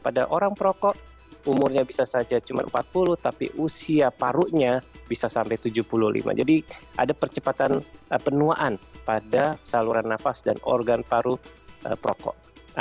pada orang perokok umurnya bisa saja cuma empat puluh tapi usia parunya bisa sampai tujuh puluh lima jadi ada percepatan penuaan pada saluran nafas dan organ paru perokok